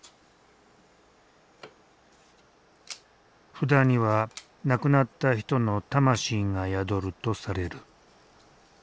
札には亡くなった人の魂が宿るとされる。